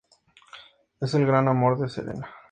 Es el gran amor de Serena.